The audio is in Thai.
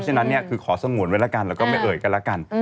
ฉะนั้นเนี่ยคือขอสงวนไว้แล้วกันแล้วก็ไม่เอ่ยกันแล้วกัน